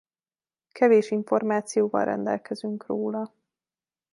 Kevés információval rendelkezünk róla.